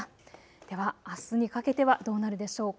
では、あすにかけてはどうなるでしょうか。